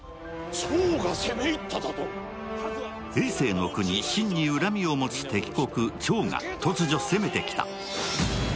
えい政の国・秦に恨みを持つ敵国・趙が突如、攻めてきた。